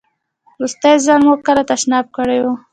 وروستی ځل مو کله تشناب کړی و؟